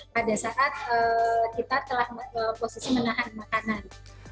pada saat kita telah posisi menahan makanan